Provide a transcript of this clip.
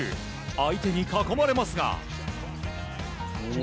相手に囲まれますが。